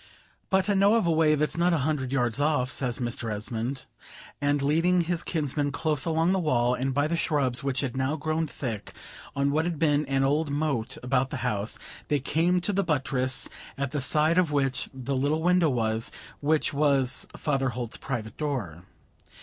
"But I know of a way that's not a hundred yards off," says Mr. Esmond; and leading his kinsman close along the wall, and by the shrubs which had now grown thick on what had been an old moat about the house, they came to the buttress, at the side of which the little window was, which was Father Holt's private door.